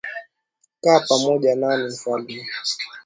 Kaa pamoja nami mfalme